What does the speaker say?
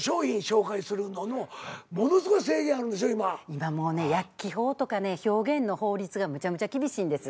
今もう薬機法とか表現の法律がむちゃむちゃ厳しいんです。